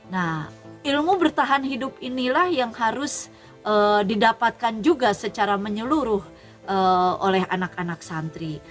nah ilmu bertahan hidup inilah yang harus didapatkan juga secara menyeluruh oleh anak anak santri